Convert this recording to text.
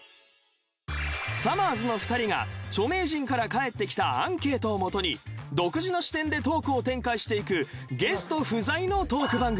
さまぁずの２人が著名人から返ってきたアンケートをもとに独自の視点でトークを展開していくゲスト不在のトーク番組。